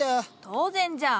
当然じゃ。